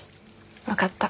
分かった。